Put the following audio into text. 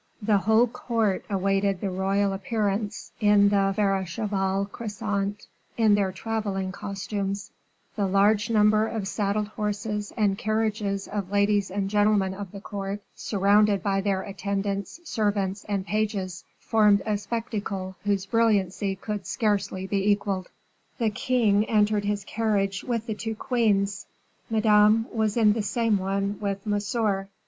The whole court awaited the royal appearance in the Fer a cheval crescent, in their travelling costumes; the large number of saddled horses and carriages of ladies and gentlemen of the court, surrounded by their attendants, servants, and pages, formed a spectacle whose brilliancy could scarcely be equalled. The king entered his carriage with the two queens; Madame was in the same one with Monsieur.